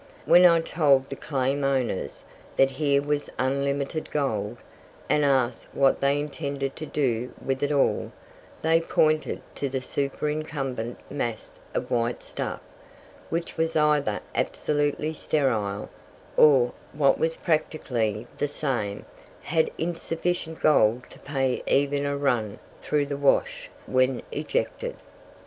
When I told the claim owners, that here was unlimited gold, and asked what they intended to do with it all, they pointed to the superincumbent mass of white stuff, which was either absolutely sterile, or, what was practically the same, had insufficient gold to pay even a run through the wash when ejected.